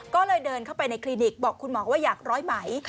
ก็เลยเดินเข้าไปในคลินิกบอกคุณหมอว่าอยากร้อยไหม